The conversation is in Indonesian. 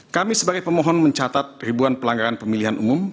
kami sebagai pemohon mencatat ribuan pelanggaran pemilihan umum